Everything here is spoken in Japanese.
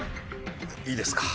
いいですか？